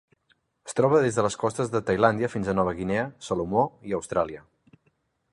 Es troba des de les costes de Tailàndia fins a Nova Guinea, Salomó i Austràlia.